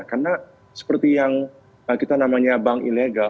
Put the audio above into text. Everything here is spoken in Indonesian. karena seperti yang kita namanya bank ilegal